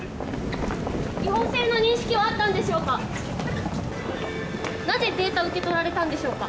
違法性の認識はあったんでしょうか。